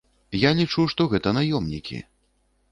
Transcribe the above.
Я лічу, што гэта наёмнікі.